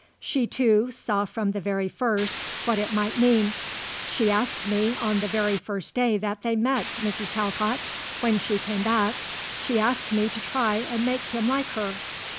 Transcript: She, too, saw from the very first what it might mean. She asked me, on the very first day that they met, Mrs. Talcott, when she came back, she asked me to try and make him like her.